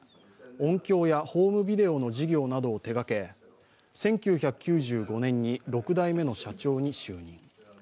音響やホームビデオの事業などを手がけ１９９５年に６代目の社長に就任。